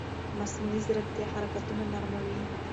مصنوعي ځیرکتیا حرکتونه نرموي.